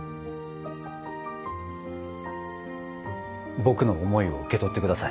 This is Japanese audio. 僕の思いを受け取って下さい。